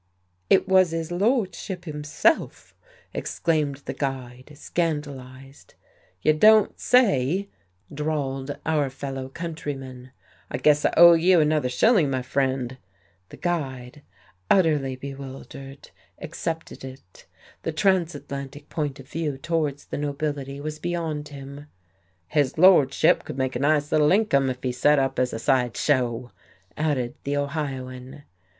"It was 'is lordship himself!" exclaimed the guide, scandalized. "You don't say!" drawled our fellow countryman. "I guess I owe you another shilling, my friend." The guide, utterly bewildered, accepted it. The transatlantic point of view towards the nobility was beyond him. "His lordship could make a nice little income if he set up as a side show," added the Ohioan.